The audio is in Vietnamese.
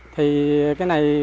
thì cái này